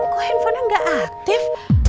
kok handphonenya gak aktif